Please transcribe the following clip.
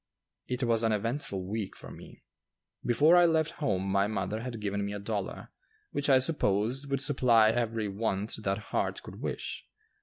It was an eventful week for me. Before I left home my mother had given me a dollar which I supposed would supply every want that heart could wish.